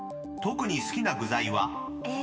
［特に好きな具材は？］